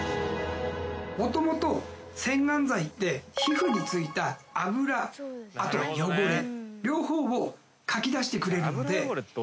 もともと洗顔剤って皮膚に付いた脂あとは汚れ両方をかき出してくれるので。